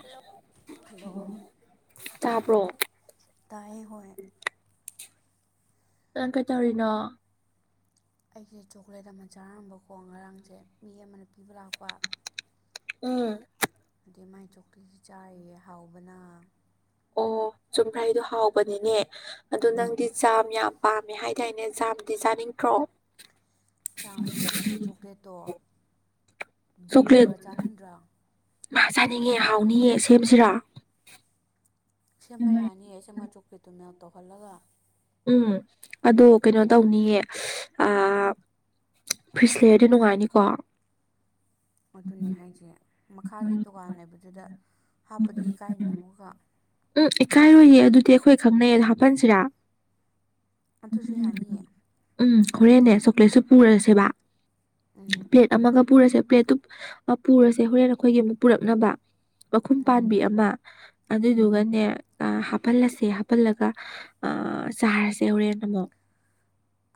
Hello hello ꯇꯥꯕ꯭ꯔꯣ ꯇꯥꯏꯌꯦ ꯍꯣꯏ ꯅꯪ ꯀꯩꯇꯧꯔꯤꯅꯣ ꯑꯩꯁꯦ ꯆꯣꯀ꯭ꯂꯦꯠ ꯑꯃ ꯆꯥꯔꯝꯕꯀꯣ ꯉꯔꯥꯡꯁꯦ ꯃꯤ ꯑꯃꯅ ꯄꯤꯕ ꯂꯥꯛꯄ ꯎꯝ ꯑꯗ꯭ꯌꯨꯝ ꯃꯥꯏ ꯆꯣꯛꯀ꯭ꯂꯦꯠꯁꯤ ꯆꯥꯔꯤꯌꯦ ꯍꯥꯎꯕꯅ ꯑꯣ ꯆꯨꯝꯕ꯭ꯔꯩꯗꯣ ꯍꯥꯎꯕꯅꯤꯅꯦ ꯑꯗꯣ ꯎꯝ ꯅꯪꯗꯤ ꯖꯥꯝ ꯌꯥꯝ ꯄꯥꯝꯃꯦ ꯍꯥꯏꯗꯥꯏꯅꯦ ꯖꯥꯝꯗꯤ ꯆꯥꯅꯤꯡꯗ꯭ꯔꯣ ꯆꯥꯝꯗꯨꯗꯅꯦ ꯆꯣꯀ꯭ꯂꯦꯠꯇꯣ ꯗꯤꯞ ꯇꯧꯔ ꯆꯥꯅꯤꯡꯗ꯭ꯔꯥ ꯃꯥ ꯆꯥꯅꯤꯡꯉꯦ ꯍꯥꯎꯅꯤꯌꯦ ꯁꯦꯝꯁꯤꯔꯣ ꯁꯦꯝꯕ ꯌꯥꯅꯤꯌꯦ ꯁꯤꯃꯥ ꯆꯣꯀ꯭ꯂꯦꯠꯇꯨꯅ ꯇꯧꯍꯜꯂꯒ ꯎꯝ ꯑꯗꯣ ꯀꯩꯅꯣ ꯇꯧꯅꯤꯌꯦ ꯐ꯭ꯔꯤꯁ ꯂꯩꯔꯦꯗꯤ ꯅꯨꯡꯉꯥꯏꯅꯤꯀꯣ ꯑꯗꯨꯅꯤ ꯍꯥꯏꯖꯦ ꯃꯈꯥꯒꯤ ꯗꯨꯀꯥꯟ ꯂꯩꯕꯗꯨꯗ ꯍꯥꯞꯄꯗꯤ ꯏꯀꯥꯏꯅꯤ ꯑꯃꯨꯛꯀ ꯎꯝ ꯏꯀꯥꯏꯔꯣꯏꯌꯦ ꯑꯗꯨꯗꯤ ꯑꯩꯈꯣꯏ ꯈꯪꯅꯩꯌꯦ ꯍꯥꯞꯄꯟꯁꯤꯔꯥ ꯑꯗꯨꯁꯨ ꯌꯥꯅꯤꯌꯦ ꯎꯝ ꯍꯣꯔꯦꯟꯅꯦ ꯆꯣꯀ꯭ꯂꯦꯠꯁꯨ ꯄꯨꯔꯁꯦꯕ ꯎꯝ ꯄ꯭ꯂꯦꯠ ꯑꯃꯒ ꯄꯨꯔꯁꯦ ꯄ꯭ꯂꯦꯠꯇꯨ ꯄꯨꯔꯁꯦ ꯍꯣꯔꯦꯟ ꯑꯩꯈꯣꯏꯒꯤ ꯑꯃꯨꯛ ꯄꯨꯔꯛꯅꯕ ꯃꯈꯨꯝ ꯎꯝ ꯄꯥꯟꯕꯤ ꯑꯃ ꯎꯝ ꯑꯗꯨꯗꯨꯒꯅꯦ ꯍꯥꯐꯜꯂꯁꯦ ꯍꯥꯐꯜꯂꯒ ꯑ ꯆꯥꯔꯁꯦ ꯍꯧꯔꯦꯟ ꯑꯃꯨꯛ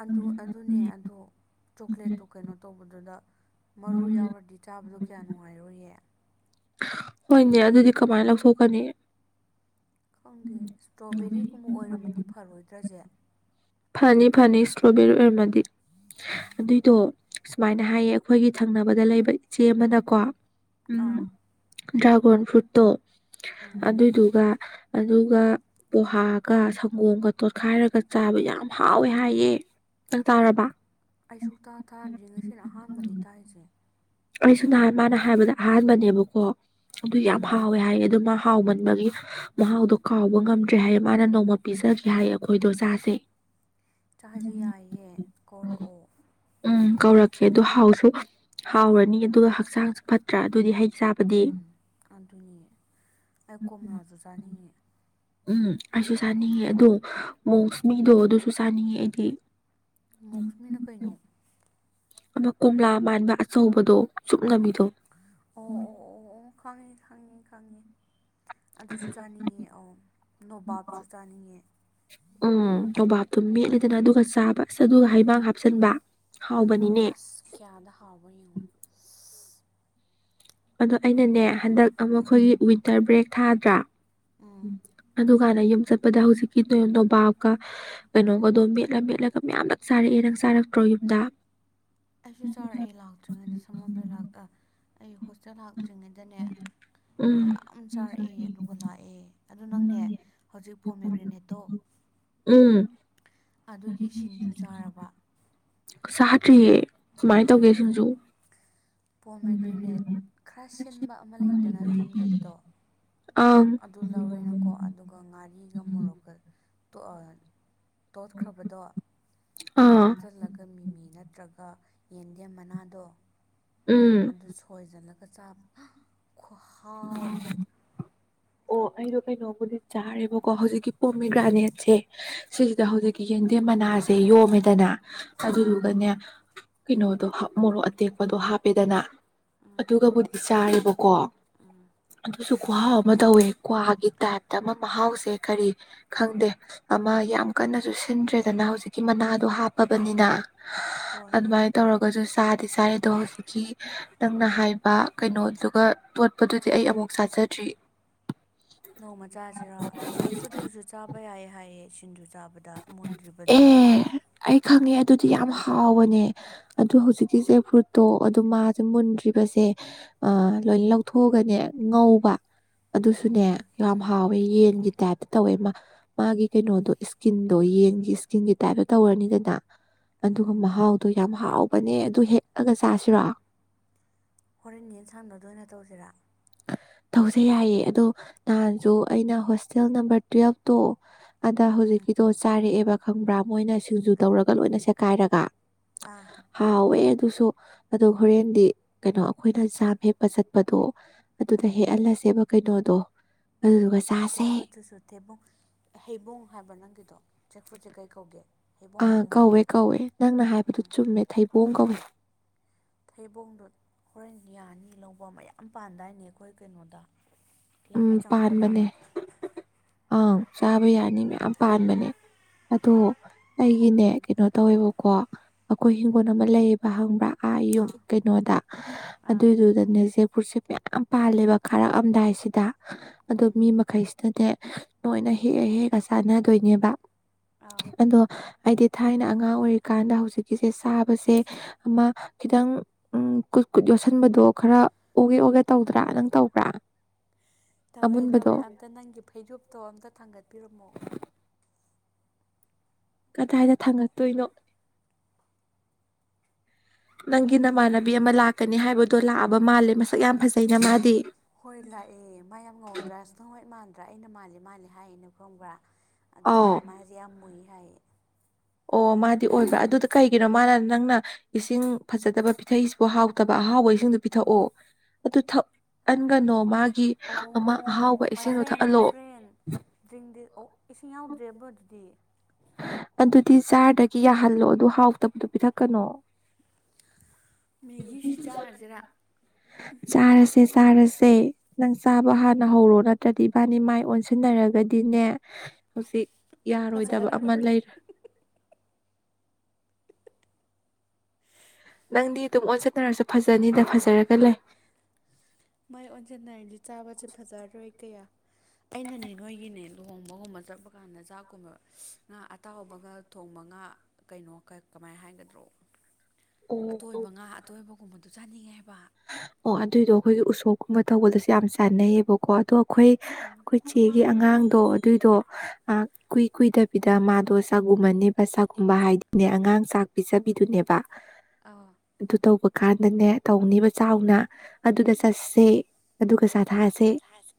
ꯑꯗꯨ ꯑꯗꯨꯅꯦ ꯑꯗꯣ ꯆꯣꯀ꯭ꯂꯦꯠꯇꯨ ꯀꯩꯅꯣ ꯇꯧꯕꯗꯨꯗ ꯃꯔꯨ ꯌꯥꯎꯔꯗꯤ ꯆꯥꯕꯗꯣ ꯀꯌꯥ ꯅꯨꯡꯉꯥꯏꯔꯣꯏꯌꯦ ꯍꯣꯏꯅꯦ ꯑꯗꯨꯗꯤ ꯀꯃꯥꯏꯅ ꯂꯧꯊꯣꯛꯀꯅꯤ ꯈꯪꯗꯦ ꯏꯁꯇ꯭ꯔꯣꯕꯦꯔꯤꯀꯨꯝꯕ ꯑꯣꯏꯔꯝꯃꯗꯤ ꯐꯔꯣꯏꯗ꯭ꯔꯖꯦ ꯐꯅꯤ ꯐꯅꯤ ꯏꯁꯇ꯭ꯔꯣꯕꯦꯔꯤ ꯑꯣꯏꯔꯝꯃꯗꯤ ꯑꯗꯨꯏꯗꯣ ꯁꯨꯃꯥꯏꯅ ꯍꯥꯏꯌꯦ ꯑꯩꯈꯣꯏꯒꯤ ꯊꯪꯅꯕꯗ ꯂꯩꯕ ꯏꯆꯦ ꯑꯃꯅꯀꯣ ꯎꯝ ꯑꯥ ꯗ꯭ꯔꯥꯒꯣꯟ ꯐ꯭ꯔꯨꯠꯇꯣ ꯎꯝ ꯑꯗꯨꯏꯗꯨꯒ ꯑꯗꯨꯒ ꯄꯣꯍꯥꯒ ꯁꯪꯒꯣꯝꯒ ꯇꯣꯠꯈꯥꯏꯔꯒ ꯆꯥꯕ ꯌꯥꯝ ꯑꯝ ꯍꯥꯎꯋꯦ ꯍꯥꯏꯌꯦ ꯅꯪ ꯇꯥꯔꯕ ꯑꯩ ꯁꯨꯛꯇꯥ ꯇꯥꯗ꯭ꯔꯤ ꯉꯁꯤꯅ ꯑꯍꯥꯟꯕꯅꯦ ꯇꯥꯏꯖꯦ ꯑꯩꯁꯨ ꯅꯍꯥꯟ ꯃꯥꯅ ꯍꯥꯏꯕꯗ ꯑꯍꯥꯟꯕꯅꯦꯕꯀꯣ ꯑꯗꯨ ꯌꯥꯝ ꯎꯝ ꯍꯥ ꯍꯥꯎꯋꯦ ꯍꯥꯏꯌꯦ ꯑꯗꯨ ꯃꯥ ꯍꯥꯎꯃꯟꯕꯒꯤ ꯃꯍꯥꯎꯗꯣ ꯀꯥꯎꯕ ꯉꯝꯗ꯭ꯔꯦ ꯍꯥꯏꯌꯦ ꯃꯥꯅ ꯅꯣꯡꯃ ꯄꯤꯖꯒꯦ ꯍꯥꯏꯌꯦ ꯑꯩꯈꯣꯏꯗꯣ ꯆꯥꯁꯦ ꯆꯥꯖꯤ ꯌꯥꯏꯌꯦ ꯀꯧꯔꯛꯑꯣ ꯎꯝ ꯀꯧꯔꯛꯀꯦ ꯑꯗꯨ ꯍꯥꯎꯁꯨ ꯍꯥꯎꯔꯅꯤ ꯑꯗꯨꯒ ꯍꯛꯆꯥꯡꯁꯨ ꯐꯠꯇ꯭ꯔꯥ ꯑꯗꯨꯗꯤ ꯍꯩ ꯆꯥꯕꯗꯤ ꯎꯝ ꯑꯗꯨꯅꯦ ꯑꯩ ꯀꯣꯝꯂꯥꯖꯨ ꯆꯥꯅꯤꯡꯉꯦ ꯎꯝ ꯑꯩꯁꯨ ꯆꯥꯅꯤꯡꯉꯦ ꯑꯗꯣ ꯃꯣꯛꯁꯃꯤꯗꯣ ꯑꯗꯨꯁꯨ ꯆꯥꯅꯤꯡꯉꯦ ꯑꯩꯗꯤ ꯃꯣꯛꯁꯃꯤꯅ ꯀꯩꯅꯣ ꯑꯃ ꯀꯣꯝꯂꯥ ꯃꯥꯟꯕ ꯑꯆꯧꯕꯗꯣ ꯆꯨꯞꯅꯕꯤꯗꯣ ꯑꯣ ꯑꯣ ꯑꯣ ꯑꯣ ꯈꯪꯉꯦ ꯈꯪꯉꯦ ꯈꯪꯉꯦ ꯑꯗꯨꯁꯨ ꯆꯥꯅꯤꯡꯉꯦ ꯑꯧ ꯅꯣꯕꯥꯞꯁꯨ ꯆꯥꯅꯤꯡꯉꯦ ꯎꯝ ꯅꯣꯕꯥꯞꯇꯣ ꯃꯦꯠꯂꯦꯗꯅ ꯑꯗꯨꯒꯥ ꯆꯥꯕ ꯑꯁ ꯑꯗꯨꯒꯥ ꯍꯩꯃꯥꯡ ꯍꯥꯞꯆꯟꯕ ꯎꯝ ꯑꯁ ꯀꯌꯥꯗ ꯍꯥꯎꯕ ꯌꯦꯡꯉꯨ ꯑꯗꯣ ꯑꯩꯅꯅꯦ ꯍꯟꯗꯛ ꯑꯃ ꯎꯝ ꯈꯣꯏꯒꯤ ꯋꯤꯟꯇꯔ ꯕ꯭ꯔꯦꯛ ꯊꯥꯗ꯭ꯔꯥ ꯎꯝ ꯑꯗꯨꯀꯥꯟꯗ ꯌꯨꯝ ꯆꯠꯄꯗ ꯍꯧꯖꯤꯛꯀꯤ ꯅꯣꯏꯌꯣ ꯅꯣꯕꯥꯞꯀꯥ ꯀꯩꯅꯣꯒꯥꯗꯣ ꯃꯦꯠꯂꯥ ꯃꯦꯠꯂꯥꯒ ꯃꯌꯥꯝ ꯂꯛ ꯆꯥꯔꯛꯑꯦ ꯅꯪ ꯆꯥꯔꯛꯇ꯭ꯔꯣ ꯌꯨꯝꯗꯥ ꯑꯩꯁꯨ ꯆꯥꯔꯛ ꯑꯦ ꯂꯥꯛꯇ꯭ꯔꯤꯉꯩꯗ ꯁꯝꯃꯔ ꯕꯦꯛ ꯂꯥꯛꯇꯥ ꯑꯩ ꯍꯣꯁꯇꯦꯜ ꯂꯥꯛꯇ꯭ꯔꯤꯉꯩꯗꯅꯦ ꯎꯝ ꯌꯥꯝ ꯆꯥꯔꯛꯑꯦ ꯑꯗꯨꯒꯥ ꯂꯥꯛꯑꯦ ꯑꯗꯨ ꯅꯪꯅꯦ ꯍꯧꯖꯤꯛ ꯄꯣꯃꯦ ꯒ꯭ꯔꯦꯅꯦꯠꯇꯣ ꯎꯝ ꯑꯗꯨꯒꯤ ꯁꯤꯟꯖꯨ ꯆꯥꯔꯕꯣ ꯆꯥꯗ꯭ꯔꯤꯌꯦ ꯀꯃꯥꯏꯟ ꯇꯧꯒꯦ ꯁꯤꯟꯖꯨ ꯄꯣꯃꯦ ꯒ꯭ꯔꯦꯅꯦꯠ ꯈꯔ ꯁꯤꯟꯕ ꯑꯃ ꯂꯩꯗꯅ ꯊꯨꯝꯗꯕꯗꯣ ꯑꯪ ꯑꯗꯨ ꯂꯧꯔꯦꯅꯀꯣ ꯑꯗꯨꯒꯥ ꯉꯥꯔꯤꯒꯥ ꯃꯣꯔꯣꯛꯀꯥ ꯇꯣꯠ ꯑꯥ ꯇꯣꯠꯈ꯭ꯔꯥꯕꯗꯣ ꯑꯥ ꯅꯠꯇ꯭ꯔꯒ ꯌꯦꯟꯗꯦꯝ ꯃꯅꯥꯗꯣ ꯎꯝ ꯑꯗꯨ ꯁꯣꯏꯖꯜꯂꯒ ꯆꯥꯞ ꯍꯥ ꯎꯝ ꯑꯣ ꯑꯩꯗꯣ ꯀꯩꯅꯣꯝꯕꯨꯗꯤ ꯆꯥꯔꯦꯕꯀꯣ ꯍꯧꯖꯤꯛꯀꯤ ꯄꯣꯝꯃꯤ ꯒ꯭ꯔꯥꯅꯦꯠꯁꯦ ꯁꯤꯁꯤꯗꯥ ꯎꯝ ꯍꯧꯖꯤꯛꯀꯤ ꯌꯦꯡꯗꯦꯝ ꯃꯅꯥꯖꯦ ꯌꯣꯝꯃꯦꯗꯅ ꯑꯥ ꯑꯗꯨꯗꯨꯒꯅꯦ ꯀꯩꯅꯣꯗꯣ ꯃꯣꯔꯣꯛ ꯑꯇꯦꯛꯄꯗꯣ ꯍꯥꯞꯄꯦꯗꯅ ꯑꯗꯨꯒꯥꯕꯨꯗꯤ ꯆꯥꯔꯦꯕꯀꯣ ꯎꯝ ꯑꯗꯨꯁꯨ ꯈꯨꯍꯥꯎ ꯑꯃ ꯇꯧꯋꯦ ꯀ꯭ꯋꯥꯒꯤ ꯇꯥꯏꯞꯇꯥ ꯑꯃ ꯃꯍꯥꯎꯁꯦ ꯀꯔꯤ ꯈꯪꯗꯦ ꯑꯃ ꯌꯥꯝ ꯀꯟꯅꯁꯨ ꯁꯤꯟꯗ꯭ꯔꯦꯗꯅ ꯍꯧꯖꯤꯛꯀꯤ ꯃꯅꯥꯗꯣ ꯍꯥꯞꯄꯕꯅꯤꯅ ꯍꯣꯏ [inaudible] ꯍꯣꯏ ꯑꯗꯨꯃꯥꯥꯏꯟ ꯇꯧꯔꯛ ꯄꯖꯨ ꯆꯥꯗꯤ ꯆꯥꯏ ꯑꯗꯣ ꯍꯧꯖꯤꯛꯀꯤ ꯅꯪꯅ ꯍꯥꯏꯕ ꯀꯩꯅꯣꯗꯨꯒꯥ ꯇꯣꯠ ꯄꯗꯨꯗꯤ ꯑꯩ ꯑꯃꯨꯛ ꯆꯥꯖꯗ꯭ꯔꯤ ꯅꯣꯡꯃꯥ ꯆꯥꯖꯤꯔꯣ ꯖꯦꯛ ꯐ꯭ꯔꯨꯠꯇꯨꯖꯨ ꯆꯥꯕ ꯌꯥꯏꯌꯦ ꯍꯥꯏꯌꯦ ꯁꯤꯡꯖꯨ ꯆꯥꯕꯗ ꯑꯦ ꯃꯨꯟꯗ꯭ꯔꯤꯕꯗꯣ ꯑꯩ ꯈꯪꯉꯦ ꯑꯗꯨꯗꯤ ꯌꯥꯝ ꯍꯥꯎꯕꯅꯦ ꯑꯗꯨ ꯍꯧꯖꯤꯛꯀꯤ ꯖꯦꯛ ꯐ꯭ꯔꯦꯠꯇꯣ ꯑꯗꯨ ꯃꯥꯖꯦ ꯃꯨꯟꯗ꯭ꯔꯤꯕꯖꯦ ꯑꯥ ꯂꯣꯏ ꯂꯧꯊꯣꯛꯑꯒꯥꯅꯦ ꯉꯧꯕ ꯑꯗꯨꯁꯨꯅꯦ ꯎꯝ ꯌꯥꯝ ꯍꯥꯎꯋꯦ ꯌꯦꯟꯒꯤ ꯇꯥꯏꯞꯇꯥ ꯇꯧꯋꯦ ꯃꯥ ꯃꯥꯒꯤ ꯀꯩꯅꯣꯗꯣ ꯏꯁ ꯀꯤꯟꯗꯣ ꯌꯦꯟꯒꯤ ꯏꯁꯀꯤꯟꯒꯤ ꯇꯥꯏꯞꯇꯥ ꯇꯧꯔꯅꯤꯗꯅ ꯑꯗꯨꯒꯥ ꯃꯍꯥꯎ ꯇꯨ ꯌꯥꯝ ꯍꯥꯎꯕꯅꯦ ꯑꯗꯨ ꯍꯦꯛꯑꯒꯥ ꯆꯥꯁꯤꯔꯣ ꯍꯣꯔꯦꯟ ꯌꯦꯟꯁꯥꯡ ꯑꯗꯨ ꯑꯣꯏꯅ ꯇꯧꯁꯤꯔꯥ ꯇꯧꯖꯦ ꯌꯥꯏꯌꯦ ꯑꯗꯣ ꯅꯍꯥꯟꯁꯨ ꯑꯩꯅ ꯍꯣꯁꯇꯦꯜ ꯅꯝꯕꯔ ꯇꯨꯋꯦꯜꯐꯇꯣ ꯑꯗꯥ ꯎꯝ ꯍꯧꯖꯤꯛꯀꯤꯗꯣ ꯆꯥꯔꯛꯑꯦꯕ ꯈꯪꯕ꯭ꯔꯥ ꯃꯣꯏꯅ ꯁꯤꯡꯖꯨ ꯇꯧꯔꯒꯥ ꯂꯣꯏꯅ ꯁꯦꯀꯥꯏꯔꯒꯥ ꯑꯥ ꯍꯥꯎꯋꯦ ꯑꯗꯨꯁꯨ ꯑꯗꯣ ꯍꯣꯔꯦꯟꯗꯤ ꯀꯩꯅꯣ ꯑꯈꯣꯏꯅ ꯖꯥꯝ ꯍꯦꯛꯄ ꯆꯠꯄꯗꯣ ꯑꯗꯨꯗꯥ ꯎꯝ ꯍꯦꯛꯍꯜꯂꯁꯦꯕ ꯀꯩꯅꯣꯗꯣ ꯑꯗꯨꯗꯨꯒꯥ ꯆꯦꯛ ꯐ꯭ꯔꯨꯗꯠꯇꯨꯁꯨ ꯊꯦꯕꯨꯡ ꯍꯩꯕꯣꯡ ꯍꯥꯏꯕ ꯅꯪꯒꯤꯗꯣ ꯆꯦꯛ ꯐ꯭ꯔꯨꯠꯁꯦ ꯀꯩ ꯀꯧꯒꯦ ꯍꯩꯕꯣꯡ ꯑꯥ ꯍꯥꯏ ꯅꯠꯇ꯭ꯔꯣ ꯀꯧꯋꯦ ꯀꯧꯋꯦ ꯅꯪꯅ ꯍꯥꯏꯕꯗꯨ ꯆꯨꯝꯃꯦ ꯊꯩꯕꯣꯡ ꯀꯧꯋꯦ ꯊꯩꯕꯣꯡꯗꯣ ꯍꯣꯔꯦꯟꯗꯤ ꯌꯥꯅꯤ ꯂꯧꯕ ꯃꯌꯥꯝ ꯄꯥꯟꯗꯥꯏꯅꯦ ꯑꯩꯈꯣꯏ ꯀꯩꯅꯣꯗ ꯎꯝ ꯂꯝꯕꯤ ꯆꯪꯉꯛꯄꯗ ꯄꯥꯟꯕꯅꯦ ꯑꯪ ꯆꯥꯕ ꯌꯥꯅꯤ ꯃꯌꯥꯝ ꯄꯥꯟꯕꯅꯦ ꯑꯗꯣ ꯑꯩꯒꯤꯅꯦ ꯀꯩꯅꯣ ꯇꯧꯋꯦꯕꯀꯣ ꯑꯩꯈꯣꯏ ꯍꯤꯡꯒꯣꯜ ꯑꯃ ꯂꯩꯌꯦꯕ ꯍꯪꯕ꯭ꯔꯥ ꯑꯥ ꯌꯨꯝ ꯀꯩꯅꯣꯗ ꯑꯥ ꯑꯗꯨꯏꯗꯨꯗꯅꯦ ꯄꯨꯔꯁꯦꯝ ꯃꯌꯥꯝ ꯄꯥꯜꯂꯦꯕ ꯈꯥꯔꯛꯑꯝꯗꯥꯏꯁꯤꯗ ꯑꯗꯣ ꯎꯝ ꯃꯤ ꯑꯃꯥ ꯍꯩꯁꯇꯅꯦ ꯂꯣꯏꯅ ꯍꯦꯛꯑ ꯍꯦꯛꯑ ꯆꯥꯟꯅꯗꯣꯏꯅꯦꯕ ꯑꯥ ꯑꯗꯣ ꯑꯩ ꯗꯤ ꯊꯥꯏꯅ ꯑꯉꯥꯡ ꯑꯣꯏꯔꯤꯀꯥꯟꯗ ꯍꯧꯖꯤꯛꯀꯤꯁꯦ ꯆꯥꯕꯁꯦ ꯑꯃꯥ ꯈꯤꯇꯪ ꯎꯝ ꯀꯨꯠ ꯀꯨꯠ ꯌꯣꯠꯁꯤꯟꯕꯗꯣ ꯈꯔ ꯑꫭꯒꯦ ꯑꯣꯒꯦ ꯇꯧꯗ꯭ꯔꯥ ꯅꯪ ꯇꯧꯕ꯭ꯔꯥ? ꯇꯧꯋꯦ ꯑꯃꯨꯟꯕꯗꯣ ꯇꯧꯋꯦ ꯑꯝꯇ ꯅꯪꯒꯤ ꯐꯩꯖꯣꯨꯞꯇꯣ ꯑꯝꯇ ꯊꯥꯡꯒꯠꯄꯤꯔꯝꯃꯣ? ꯀꯗꯥꯏꯗ ꯊꯥꯡꯒꯠꯇꯣꯏꯅꯣ [inaudible] ꯅꯪꯒꯤ ꯅꯃꯥꯟꯅꯕꯤ ꯑꯃ ꯂꯥꯛꯀꯅꯤ ꯍꯥꯏꯕꯗꯣ ꯂꯥꯛꯑꯕ ꯃꯥꯜꯂꯦ ꯃꯁꯛ ꯌꯥꯝ ꯐꯖꯩꯅ ꯃꯥꯗꯤ ꯍꯣꯏ ꯂꯥꯛꯑꯦ ꯃꯥ ꯌꯥꯝ ꯉꯧꯗ꯭ꯔꯥ ꯁꯅꫭ ꯍꯋꯥꯠ ꯃꯥꯟꯗ꯭ꯔꯥ ꯑꯩꯅ ꯃꯥꯜꯂꯦ ꯃꯥꯜꯂꯦ ꯍꯥꯏꯌꯦꯅ ꯈꯪꯕ꯭ꯔꯥ? ꯑꯗꯨ ꯑꯥꯎ ꯃꯥꯅ ꯃꯥꯁꯦ ꯌꯥꯝ ꯃꯨꯏ ꯍꯥꯏꯌꯦ꯫ ꯑꯣ ꯃꯥꯗꯤ ꯑꯣꯏꯕ꯭ꯔꯥ ꯑꯗꯨ ꯀꯩꯒꯤꯅꯣ ꯃꯥꯅ ꯅꯪꯅ ꯏꯁꯤꯡ ꯐꯖꯗꯕ ꯄꯤꯊꯩꯁꯤꯕꯨ ꯍꯥꯎꯊꯕ ꯑꯍꯥꯎꯕ ꯏꯁꯤꯡꯗꯣ ꯄꯤꯊꯛꯑꯣ ꯑꯗꯨ ꯊꯛꯍꯟꯒꯅꯨ ꯃꯥꯒꯤ ꯑꯣ ꯑꯃ ꯑꯣ ꯑꯍꯥꯎꯕ ꯃꯥꯏ ꯏꯁꯤꯡꯗꯣ ꯐ꯭ꯔꯦꯟ ꯃꯥꯏ ꯊꯛꯍꯜꯂꯣ ꯐ꯭ꯔꯦꯟ ꯗ꯭ꯔꯡꯗꯤ ꯑꯣ ꯏꯁꯤꯡ ꯌꯥꯎꯗ꯭ꯔꯦꯕꯣ ꯑꯗꯨꯗꯤ ꯑꯗꯨꯗꯤ ꯖꯥꯔꯗꯒꯤ ꯌꯥꯍꯜꯂꯣ ꯑꯗꯨ ꯍꯥꯎꯇꯕꯗꯣ ꯄꯤꯊꯛꯀꯅꯣ꯫ ꯃꯦꯒꯤꯁꯤ ꯆꯥꯔꯁꯤꯔꯥ ꯆꯥꯔꯁꯦ ꯆꯥꯔꯁꯦ! ꯅꯪ ꯆꯥꯕ ꯍꯥꯟꯅ ꯍꯧꯔꯣ ꯅꯠꯇ꯭ꯔꯗꯤ ꯏꯕꯥꯅꯤ ꯃꯥꯏ ꯑꯣꯟꯁꯤꯟꯅꯔꯒꯗꯤꯅꯦ ꯍꯧꯖꯤꯛ ꯌꯥꯔꯣꯏꯗꯕ ꯐꯖꯔꯔꯣꯏ ꯑꯃ ꯂꯩꯕ ꯅꯪꯗꯤ ꯑꯗꯨꯝ ꯑꯣꯟꯖꯟꯅꯔꯁꯨ ꯐꯖꯅꯤꯅ ꯐꯖꯔꯒ ꯂꯩ ꯃꯥꯏ ꯑꯣꯟꯁꯤꯟꯅꯔꯗꯤ ꯆꯥꯕꯁꯤ ꯐꯖꯔꯣꯏ ꯀꯌꯥ ꯑꯩꯅꯅꯦ ꯅꯣꯏꯒꯤꯅꯦ ꯂꯨꯍꯣꯡꯕꯒꯨꯝꯕ ꯆꯠꯄ ꯆ ꯀꯥꯟꯗ ꯆꯥꯛꯀꯨꯝꯕ ꯉꯥ ꯑꯇꯥꯎꯕꯒꯥ ꯊꯣꯡꯕ ꯉꯥ ꯀꯩꯅꯣ ꯀꯃꯥꯏꯅ ꯍꯥꯏꯒꯗ꯭ꯔꯣ ꯑꯇꯣꯏꯕ ꯑꯣ ꯉꯥ ꯑꯇꯣꯏꯕꯒꯨꯝꯕꯗꯨ ꯆꯥꯅꯤꯡꯉꯦ ꯍꯥꯏꯕ ꯑꯣ ꯑꯗꯨꯏꯗꯣ ꯑꯩꯈꯣꯏꯒꯤ ꯎꯁꯣꯞꯀꯨꯝꯕ ꯇꯧꯕꯗꯁꯨ ꯌꯥꯝ ꯆꯥꯅꯩꯌꯦꯕꯀꯣ ꯑꯗꯣ ꯑꯩꯈꯣꯏ ꯑꯩꯈꯣꯏ ꯆꯦꯡ ꯒꯤ ꯑꯉꯥꯡꯗꯣ ꯑꯗꯨꯏꯗꯣ ꯉꯌꯥꯛ ꯀꯨꯏ ꯀꯨꯏꯗꯕꯤꯗ ꯃꯥꯗꯣ ꯆꯥꯛꯒꯨꯝꯕꯅꯦꯕ ꯆꯥꯛꯒꯨꯝꯕ ꯍꯥꯏꯗꯤꯅꯦ ꯑꯉꯥꯡ ꯆꯥꯛ ꯄꯤꯖꯕꯤꯗꯨꯅꯦꯕ꯫ ꯑꯥ ꯑꯗꯨ ꯇꯧꯕ ꯀꯥꯟꯗꯅꯦ ꯇꯧꯅꯦꯕ ꯆꯥꯎꯅ ꯑꯗꯨꯗ ꯆꯠꯁꯦ ꯑꯗꯨꯒ ꯆꯥ ꯊꯁꯤ꯫ ꯆꯊꯁꯤ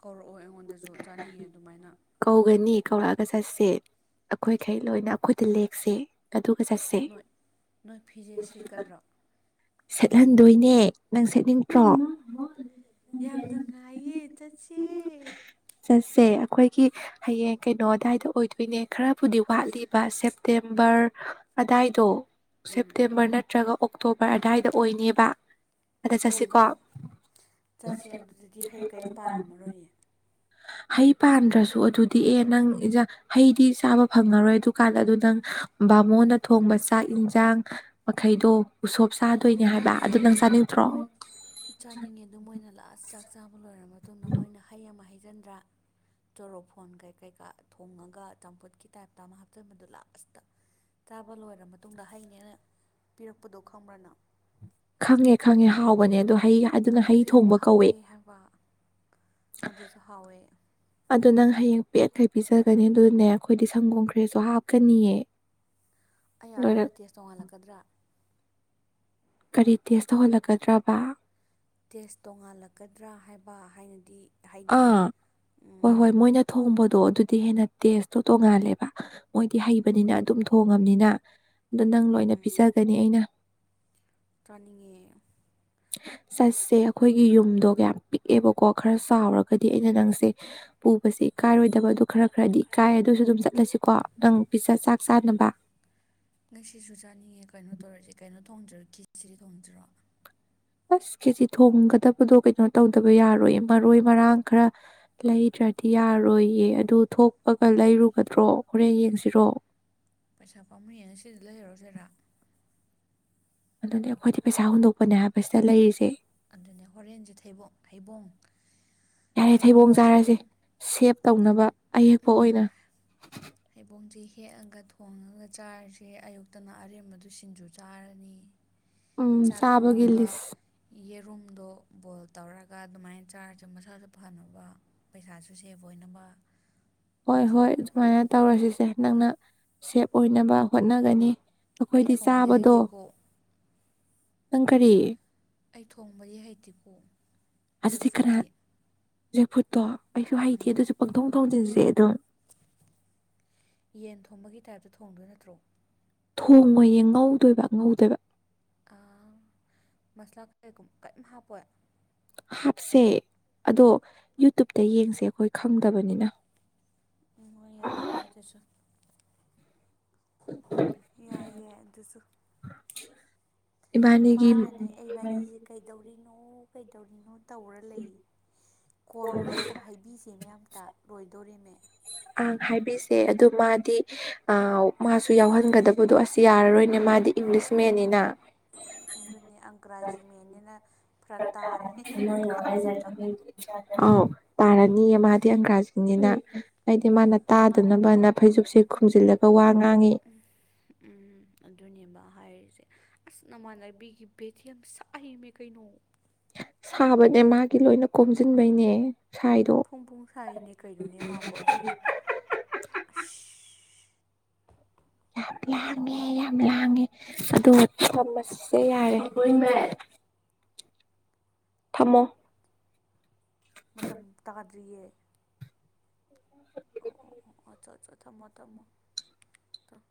ꯀꯧꯔꯛꯑꯣ ꯑꯩꯉꯣꯟꯗꯁꯨ ꯆꯥꯅꯤꯡꯉꯦ ꯑꯗꯨꯃꯥꯏꯅ ꯀꯧꯒꯅꯤ ꯀꯧꯔꯛꯑꯒ ꯆꯠꯁꯦ ꯑꯩꯈꯣꯏꯈꯩ ꯂꯣꯏꯅ ꯑꯩꯈꯣꯏꯗ ꯂꯦꯛꯁꯦ ꯑꯗꯨꯒ ꯆꯠꯁꯦ ꯅꯣꯏ ꯅꯣꯏ ꯐꯤꯖꯦꯠ ꯁꯦꯠꯀꯗ꯭ꯔꯣ ꯍꯟꯗꯣꯏꯅꯦ ꯅꯪ ꯁꯦꯠꯅꯤꯡꯇꯔꫭ? ꯌꯥꯝ ꯅꯨꯡꯉꯥꯏꯌꯦ ꯆꯠꯁꯦ ꯆꯠꯁꯦ ꯑꯩꯈꯣꯏꯒꯤ ꯍꯌꯦꯡ ꯀꯩꯅꯣ ꯑꯗꯨ꯭ꯋꯥꯏꯗ ꯑꯣꯏꯗꯣꯏꯅꯦ ꯈꯔꯕꯨꯗꯤ ꯋꯥꯠꯂꯤꯕ ꯁꯦꯞꯇꯦꯝꯕꯔ ꯑꯗꯥꯏꯗꯣ ꯁꯦꯞꯇꯦꯝꯕꯔ ꯅꯠꯇ꯭ꯔꯒ ꯑꯣꯛꯇꯣꯕꯔ ꯑꯗꯥꯏꯗ ꯑꯣꯏꯅꯦꯕ ꯑꯗ ꯎꯝ ꯆꯠꯁꯤꯀꯣ ꯆꯠꯁꯦ ꯑꯗꯨꯗꯗꯤ ꯍꯩ ꯀꯔꯤꯝ ꯄꯥꯜꯂꯝꯃꯔꯣꯏꯌꯦ ꯍꯩ ꯄꯥꯟꯗ꯭ꯔꯁꯨ ꯑꯗꯨꯗꯤ ꯑꯦ ꯅꯪ ꯏꯟꯖꯥꯡ ꯍꯩꯗꯤ ꯆꯥꯕ ꯐꯪꯉꯔꯣꯏ ꯑꯗꯨꯀꯥꯟꯗ ꯑꯗꯨ ꯅꯪ ꯕꯥꯃꯣꯟꯅ ꯊꯣꯡꯕ ꯆꯥꯛ ꯌꯦꯟꯁꯥꯡ ꯃꯈꯩꯗꯣ ꯎꯁꯣꯞ ꯆꯥꯗꯣꯏꯅꯦ ꯍꯥꯏꯕ ꯑꯗꯨ ꯅꯪ ꯆꯥꯅꯤꯡꯗ꯭ꯔꯣ ꯃꯣꯏ ꯆꯥꯅꯤꯡꯉꯦ ꯑꯗꯨ ꯃꯣꯏꯅ ꯂꯥꯁ ꯆꯥꯛ ꯆꯥꯕ ꯂꯣꯏꯔꯕ ꯃꯇꯨꯡꯗ ꯃꯣꯏꯅ ꯍꯩ ꯑꯃ ꯍꯩꯖꯤꯟꯗ꯭ꯔꯥ꯫ ꯆꯣꯔꯣꯐꯣꯟ ꯀꯩ ꯀꯩꯀꯥ ꯊꯣꯡꯉꯒ ꯆꯝꯐꯨꯠꯀꯤ ꯇꯥꯏꯞꯇ ꯑꯃ ꯍꯥꯞꯆꯤꯟꯕꯗꯨ ꯂꯥꯁꯇ꯫ ꯆꯥꯕ ꯂꯣꯏꯔꯕ ꯃꯇꯨꯡꯗ ꯍꯩꯅꯦꯅ ꯄꯤꯔꯛꯄꯗꯣ ꯈꯪꯕ꯭ꯔ ꯅꯪ꯫ ꯈꯪꯉꯦ ꯈꯪꯉꯦ ꯍꯥꯎꯕꯅꯦ ꯑꯗꯣ ꯍꯩ ꯑꯗꯨꯅ ꯍꯩ ꯑꯗꯨꯁꯨ ꯌꯥꯝ ꯊꯣꯡꯕ ꯀꯧꯋꯦ꯫ ꯍꯥꯎꯋꯦ ꯍꯥꯏꯕ ꯑꯗꯨꯁꯨ ꯍꯥꯎꯋꯦ꯫ ꯑꯗꯨ ꯅꯪ ꯍꯌꯦꯡ ꯄꯦꯠꯈꯩ ꯄꯤꯖꯒꯅꯤ ꯑꯗꯨꯅꯦ ꯑꯩꯈꯣꯏꯗꯤ ꯁꯪꯒꯣꯝ ꯈꯔꯦꯁꯨ ꯍꯥꯞꯀꯅꯤꯌꯦ꯫ ꯑꯩ ꯂꯣꯏꯔ ꯑꯗꯨꯅ ꯇꯦꯖ ꯇꯣꯡꯍꯜꯂꯛꯀꯗ꯭ꯔꯥ꯫ ꯀꯔꯤ ꯇꯦꯁ ꯇꯧꯍꯜꯂꯛꯀꯗ꯭ꯔꯕ꯫ ꯇꯦꯁ ꯇꯣꯡꯉꯥꯜꯂꯛꯀꯗ꯭ꯔꯥ ꯍꯥꯏꯕ ꯍꯥꯏꯅꯗꯤ꯫ ꯍꯥꯏꯗꯤ ꯑꯥ ꯍꯣꯏ ꯎꯝ ꯍꯣꯏ ꯃꯣꯏꯅ ꯊꯣꯡꯕꯗꯣ ꯑꯗꯨꯗꯤ ꯍꯦꯟꯅ ꯇꯦꯁꯇꯣ ꯇꯣꯡꯉꯥꯜꯂꯦꯕ ꯃꯣꯏꯗꯤ ꯎꯝ ꯍꯩꯕꯅꯤꯅ ꯑꯗꯨꯝ ꯊꯣꯡ ꯉꯝꯅꯤꯅ ꯑ ꯅꯪ ꯂꯣꯏꯅ ꯎꯝ ꯄꯤꯖꯒꯅꯤ ꯑꯩꯅ꯫ ꯆꯥꯅꯤꯡꯉꯦ꯫ ꯆꯠꯁꯦ ꯑꯩꯈꯣꯏꯒꯤ ꯌꯨꯝꯗꯣ ꯌꯥꯝ ꯄꯤꯛꯑꯦꯕꯀꯣ ꯈꯔ ꯆꯥꯎꯔꯒꯗꯤ ꯑꯩꯅ ꯅꯪꯁꯦ ꯄꯨꯕꯁꯦ ꯏꯀꯥꯏꯔꯣꯏꯗꯕ ꯑꯗꯨ ꯈꯔ ꯈꯔꯗꯤ ꯏꯀꯥꯏ ꯑꯗꯨꯁꯨ ꯑꯗꯨꯝ ꯆꯠꯂꯁꯤꯀꯣ ꯅꯪ ꯄꯤꯖꯠ ꯆꯥꯛ ꯆꯥꯅꯕ꯫ ꯉꯁꯤꯁꯨ ꯆꯥꯅꯤꯡꯉꯦ ꯀꯩꯅꯣ ꯇꯧꯔꯁꯦ ꯀꯩꯅꯣ ꯊꯣꯡꯖꯔ ꯈꯤꯁꯤ ꯊꯣꯡꯖꯤꯔꯣ꯫ ꯑꯁ ꯀꯦꯖꯤ ꯊꯣꯡꯒꯗꯕꯗꯣ ꯀꯩꯅꯣ ꯇꯧꯗꯕ ꯌꯥꯔꯣꯏ ꯃꯔꯣꯏ ꯃꯔꯥꯡ ꯈꯔ ꯂꯩꯗ꯭ꯔꯗꯤ ꯌꯥꯔꯣꯏꯌꯦ ꯑꯗꯨ ꯊꯣꯛꯄꯒ ꯂꯩꯔꯨꯒꯗ꯭ꯔꯣ ꯍꯣꯔꯦꯟ ꯌꯦꯡꯁꯤꯔꯣ꯫ ꯄꯩꯁꯥ ꯄꯥꯝꯃꯨꯏꯌꯦ ꯉꯁꯤꯗ ꯂꯩꯔꯣꯏꯁꯤꯔꯥ꯫ ꯑꯗꯨꯗꯤ ꯑꯩꯈꯣꯏꯗꯤ ꯄꯩꯁꯥ ꯍꯨꯟꯗꯣꯛꯄꯅꯦ ꯍꯥꯏꯕꯁꯤꯗ ꯂꯩꯔꯤꯁꯦ꫰꫰ ꯑꯗꯨꯅꯦ ꯍꯣꯔꯦꯟꯁꯨ ꯊꯩꯕꯣꯡ ꯍꯩꯕꯣꯡ ꯌꯥꯔꯦ ꯊꯩꯕꯣꯡ ꯍꯩꯕꯣꯡꯁꯦ ꯆꯥꯔꯁꯦ ꯁꯦꯞ ꯇꯧꯅꯕ ꯑꯍꯦꯛꯄ ꯑꯣꯏꯅ꯫ ꯍꯩꯕꯣꯡꯁꯦ ꯍꯦꯛꯑꯒ ꯊꯣꯡꯉꯒ ꯆꯥꯔꯤꯁꯦ ꯑꯌꯨꯛꯇꯅ ꯑꯔꯦꯝꯕꯗꯨ ꯁꯤꯡꯖꯨ ꯆꯥꯔꯅꯤ꯫ ꯎꯝ ꯆꯥꯛ ꯆꯥꯕꯒꯤ ꯊꯣꯡꯉꯒ ꯂꯤꯁ ꯌꯦꯔꯨꯝꯗꯣ ꯕꯣꯏꯜ ꯇꯧꯔꯒ ꯑꯗꯨꯃꯥꯏꯅ ꯆꯥꯔꯁꯦ ꯃꯁꯥꯁꯨ ꯐꯅꯕ꯫ ꯄꯩꯁꯥꯁꯨ ꯁꯦꯐ ꯑꯣꯏꯅꯕ꯫ ꯍꯣꯏ ꯅꯠꯇ꯭ꯔꯣ ꯍꯣꯏ ꯑꯗꯨꯃꯥꯏꯅ ꯇꯧꯔꯁꯤꯁꯦ ꯅꯪꯅ ꯁꯦꯞ ꯑꯣꯏꯅꯕ ꯍꯣꯠꯅꯒꯅꯤ꯫ ꯑꯩ ꯑꯩꯈꯣꯏꯗꯤ ꯊꯣꯡꯗꯤ ꯆꯥꯕꯗꯣ꯫ ꯍꯩꯇꯦꯀꯣ ꯅꯪ ꯀꯔꯤ ꯑꯩ ꯊꯣꯡꯕꯗꯤ ꯍꯩꯇꯦꯀꯣ꯫ ꯖꯦꯛ ꯑꯗꯨꯗꯤ ꯀꯅꯥ ꯐ꯭ꯔꯨꯠꯇꯤ ꯐꯨꯠꯇꯣ ꯑꯩꯁꯨ ꯍꯩꯇꯦ ꯎꯝ ꯑꯗꯨꯁꯨ ꯄꯪꯊꯣꯡ ꯊꯣꯡꯖꯤꯟꯁꯦ ꯑꯗꯨꯝ꫰꫰ ꯌꯦꯟ ꯊꯣꯝꯕꯒꯤ ꯇꯥꯏꯞꯇ ꯊꯣꯡꯗꯣꯏ ꯅꯠꯇ꯭ꯔꯣ꯫ ꯊꯣꯡꯉꯣꯏ ꯌꯦ ꯉꯧꯗꯣꯏꯕ ꯉꯧꯗꯣꯏꯕ꯫ ꯑ ꯃꯁꯂꯥ ꯀꯩꯒꯨꯝ ꯀꯔꯤꯝ ꯍꯥꯞꯄꯣꯏ꯫ ꯍꯥꯞꯁꯦ ꯑꯗꯣ ꯌꯨꯇꯨꯨꯞꯇ ꯌꯦꯡꯁꯦ ꯑꯩꯈꯣꯏ ꯈꯪꯗꯕꯅꯤꯅ꯫ ꯎꯝ ꯍꯣꯏ ꯌꯥꯏꯌꯦ ꯑꯗꯨꯁꯨ꯫ ꯌꯥꯏꯌꯦ ꯑꯗꯨꯁꯨ꯫ ꯏꯕꯥꯅꯤꯒꯤ ꯃꯥꯅꯅꯦ ꯑꯩꯕꯥꯅꯤꯁꯦ ꯀꯩꯗꯧꯔꯤꯅꯣ ꯀꯩꯗꯧꯔꯤꯅꯣ꯫ ꯇꯧꯔ ꯂꯩ ꯀꯣꯜ ꯂꯣꯏꯔꯒ ꯍꯥꯏꯕꯤꯁꯦ ꯑꯃꯇ ꯂꯣꯏꯗꯣꯔꯤꯃꯦ꯫ ꯑ ꯍꯥꯏꯕꯤꯁꯦ ꯑꯗꯨ ꯃꯥꯗꯤ ꯑꯥ ꯃꯥꯁꯨ ꯌꯥꯎꯍꯟꯒꯗꯕꯗꯣ ꯑꯁ ꯌꯥꯔꯔꯣꯏꯅꯦ ꯃꯥꯗꯤ ꯏꯪꯂꯤꯁ ꯃꯦꯟꯅꯤꯅ ꯑꯗꯨꯅꯤ ꯑꯪꯒ꯭ꯔꯥꯖꯤ ꯃꯦꯟꯅꯤꯅ ꯐꯔꯥꯛ ꯇꯥꯔꯅꯤ ꯑꯥꯎ ꯇꯥꯔꯅꯤꯌꯦ ꯃꯥꯗꯤ ꯑꯪꯒ꯭ꯔꯥꯖꯤꯅꯤꯅ ꯑꯩꯗꯤ ꯃꯥꯅ ꯇꯥꯗꯅꯕꯅ ꯐꯩꯖꯨꯞꯁꯦ ꯈꯨꯝꯖꯤꯜꯂꯒ ꯋꯥ ꯉꯥꯡꯉꯤ ꯎꯝ ꯎꯝ ꯑꯗꯨꯅꯦꯕ ꯍꯥꯏꯔꯤꯁꯦ ꯑꯁ ꯅꯃꯥꯟꯅꯕꯤꯒꯤ ꯕꯦꯠꯁ ꯌꯥꯝ ꯁꯥꯏꯃꯦ ꯀꯩꯅꯣ ꯁꯥꯕꯅꯦ ꯃꯥꯒꯤ ꯂꯣꯏꯅ ꯀꯣꯝꯁꯤꯟꯕꯩꯅꯦ ꯁꯥꯏꯗꯣ ꯐꯣꯡ ꯐꯣꯡ ꯁꯥꯔꯤꯅꯦ ꯀꯩꯅꯣꯅꯦ ꯃꯥꯕꯨ ꯑꯗꯨꯒꯤ ꯑꯁ ꯌꯥꯝ ꯂꯥꯡꯉꯦ ꯌꯥꯝ ꯂꯥꯡꯉꯦ ꯑꯗꯣ ꯊꯝꯃꯁꯦ ꯌꯥꯔꯦ [unintelligible] ꯊꯝꯃꯣ ꯃꯇꯝ ꯇꯥꯗ꯭ꯔꯤꯌꯦ ꯑꯣ ꯑꯣ ꯑꯣ ꯑꯠꯆꯥ ꯑꯠꯆꯥ ꯊꯝꯃꯣ ꯊꯝꯃꯣ ꯊꯝꯃꯣ